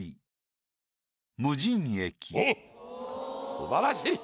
すばらしい！